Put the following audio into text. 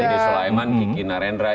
verdi sulaiman kiki narendra